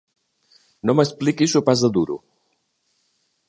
No m'expliquis sopars de duro!